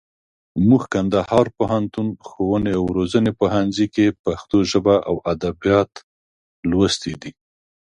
موږ کندهار پوهنتون، ښووني او روزني پوهنځي کښي پښتو ژبه او اودبيات لوستي دي.